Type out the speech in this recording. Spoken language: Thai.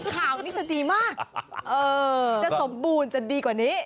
ข่าวนี้จะดีมากจะสมบูรณ์จะดีกว่านี้